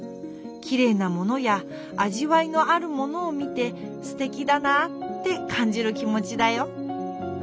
きれいなものやあじわいのあるものを見てすてきだなってかんじる気もちだよ。